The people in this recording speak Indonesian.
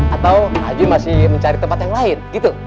atau haji masih mencari tempat yang lain gitu